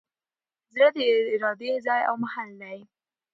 زړه د ارادې ځای او محل دﺉ.